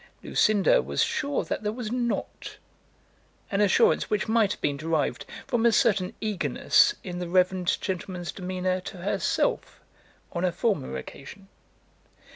Lucinda was sure that there was not, an assurance which might have been derived from a certain eagerness in the reverend gentleman's demeanour to herself on a former occasion.